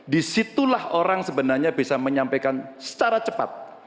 disitulah orang sebenarnya bisa menyampaikan secara cepat